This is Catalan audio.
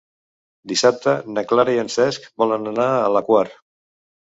Dissabte na Clara i en Cesc volen anar a la Quar.